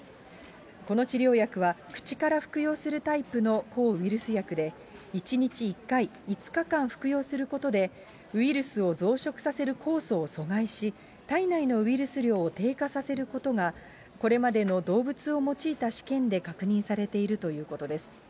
この治療薬は、口から服用するタイプの抗ウイルス薬で、１日１回、５日間服用することで、ウイルスを増殖させる酵素を阻害し、体内のウイルス量を低下させることが、これまでの動物を用いた試験で確認されているということです。